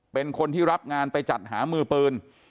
เป็นคนที่รับงานไปจัดหามือปืน